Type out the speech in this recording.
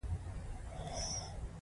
دوی د مبادلې لپاره تولید کوي نه د مصرف.